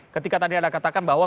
ketika tadi anda katakan bahwa